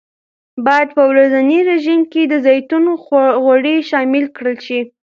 باید په ورځني رژیم کې د زیتون غوړي شامل کړل شي.